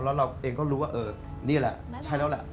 แล้วเราเองก็รู้ว่าเออนี่แหละใช่แล้วแหละ